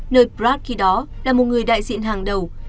nơi brag khi đó là một người đại diện hàng đầu